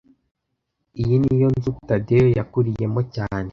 Iyi niyo nzu Tadeyo yakuriyemo cyane